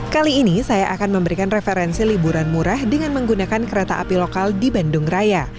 kali ini saya akan memberikan referensi liburan murah dengan menggunakan kereta api lokal di bandung raya